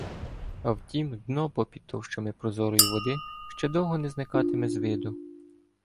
А втім, дно попід товщами прозорої води ще довго не зникатиме з виду